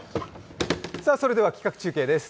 それでは企画中継です。